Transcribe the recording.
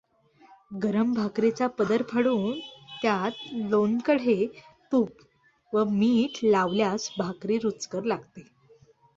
गरम भाकरीचा पदर फाडून त्यात लोणकढे तूप व मीठ लावल्यास भाकरी रुचकर लागते.